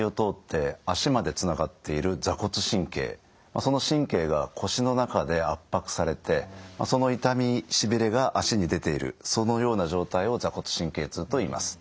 その神経が腰の中で圧迫されてその痛みしびれが脚に出ているそのような状態を坐骨神経痛といいます。